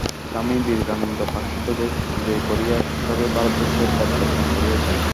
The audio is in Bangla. স্বামী বিবেকানন্দ পাশ্চাত্য দেশ বিজয় করিয়া সবে ভারতবর্ষে পদার্পণ করিয়াছেন।